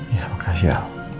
ya makasih ya